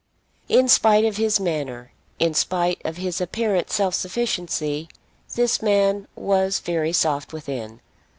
In spite of his manner, in spite of his apparent self sufficiency, this man was very soft within.